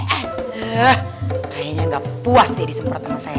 eh kayaknya gak puas deh disemprot sama saya